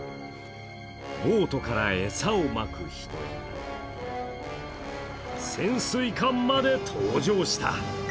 ボートから餌をまく人、潜水艦まで登場した。